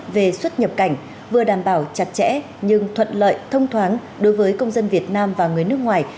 về xuất nhập cảnh vừa đảm bảo chặt chẽ nhưng thuận lợi thông thoáng đối với công dân việt nam và người nước ngoài